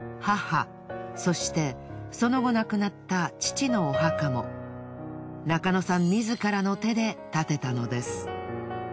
母そしてその後亡くなった父のお墓も中野さん自らの手で建てたのです。